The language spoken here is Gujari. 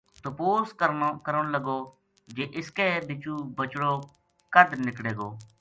تپوس کرن لگو جی اِس کے بِچو بچڑو کد نِکڑے گو